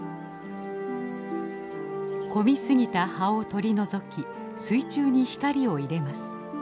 混みすぎた葉を取り除き水中に光を入れます。